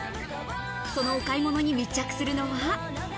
そのお買い物に密着するのは。